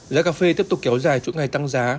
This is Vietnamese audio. giá cà phê tiếp tục kéo dài trụng ngày tăng giá